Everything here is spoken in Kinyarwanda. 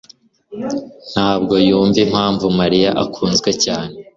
ntabwo yumva impamvu Mariya akunzwe cyane.